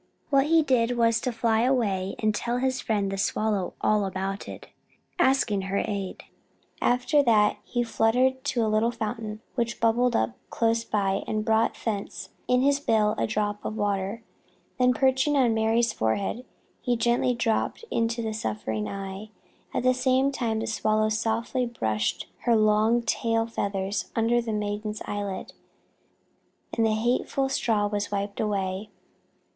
What he did was to fly away and tell his friend the Swallow all about it, asking her aid. After that he fluttered to a little fountain which bubbled up close by and brought thence in his bill a drop of water. Then, perching on Mary's forehead, he gently dropped this into the suffering eye. At the same time the Swallow softly brushed her long tail feathers under the maiden's eyelid, and the hateful straw was wiped away.